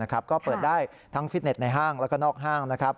ก็เปิดได้ทั้งฟิตเน็ตในห้างและก็นอกห้าง